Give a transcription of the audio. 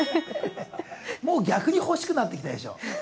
もう逆に欲しくなってきたでしょ